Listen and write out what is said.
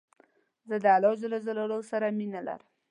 زه د الله ج سره مينه لرم